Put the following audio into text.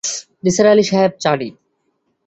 নিসার আলি সাহেব, চা নিন।